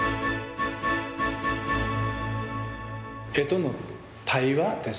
絵との対話ですかね。